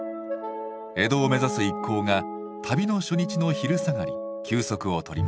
江戸を目指す一行が旅の初日の昼下がり休息をとりました。